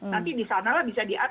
nanti di sanalah bisa diatur